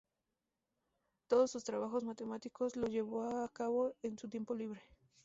Todos sus trabajos matemáticos los llevó a cabo en su tiempo libre.